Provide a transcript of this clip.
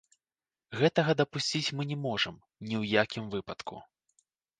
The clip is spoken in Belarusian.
Гэтага дапусціць мы не можам ні ў якім выпадку.